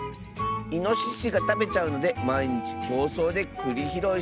いのししがたべちゃうのでまいにちきょうそうでくりひろいしてたみたいだよ。